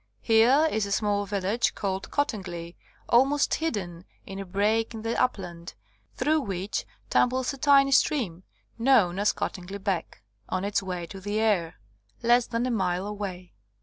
Here is a small village called Cottingley, almost hidden in a break in the upland, through which tumbles a tiny stream, known as Cottingley Beck, on its way to the Aire, less than a mile away.